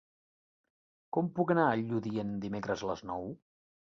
Com puc anar a Lludient dimecres a les nou?